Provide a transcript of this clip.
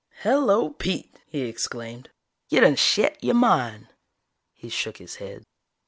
"Hello, Pete!" he exclaimed. "Yo' done shet yo' mind!" He shook his head.